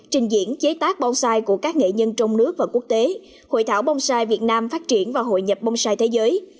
trình diễn chế tác bonsai của các nghệ nhân trong nước và quốc tế hội thảo bonsai việt nam phát triển và hội nhập bonsai thế giới